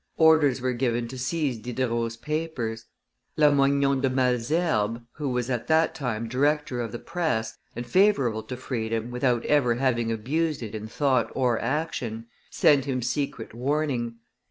Orders were given to seize Diderot's papers. Lamoignon de Malesherbes, who was at that time director of the press, and favorable to freedom without ever having abused it in thought or action, sent him secret warning.